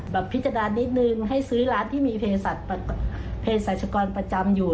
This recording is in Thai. พิจารณานิดนึงให้ซื้อร้านที่มีเพศรัชกรประจำอยู่